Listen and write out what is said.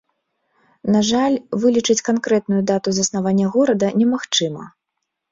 На жаль, вылічыць канкрэтную дату заснавання горада немагчыма.